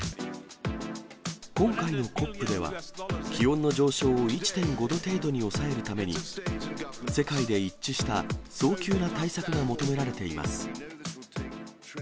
今回のＣＯＰでは、気温の上昇を１．５度程度に抑えるために、世界で一致した早急な対策が求められています。